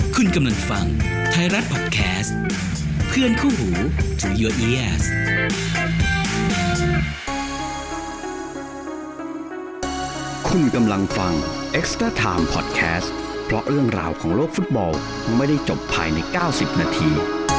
คุณกำลังฟังไทยรัฐพอดแคสต์เพื่อนคู่หูที่คุณกำลังฟังพอดแคสต์เพราะเรื่องราวของโลกฟุตบอลไม่ได้จบภายใน๙๐นาที